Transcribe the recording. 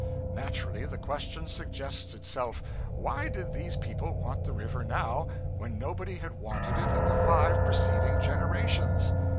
Naturally the question suggests itself, Why did these people want the river now when nobody had wanted it in the five preceding generations?